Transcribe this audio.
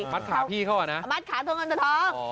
มัดขาพี่เข้ากว่านั้นมัดขาเงินตัวทอง